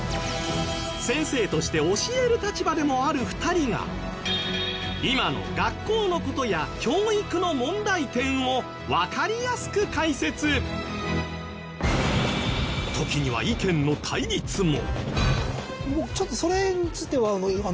先生として教える立場でもある２人が今の学校の事や教育の問題点をわかりやすく解説時には意見の対立も